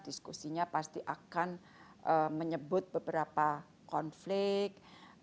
diskusinya pasti akan menyebut beberapa konflik